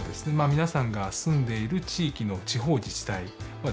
皆さんが住んでいる地域の地方自治体はですね